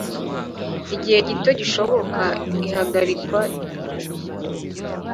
Igihe gito gishoboka ihagarikwa ry uruhushya